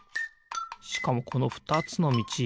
しかもこのふたつのみち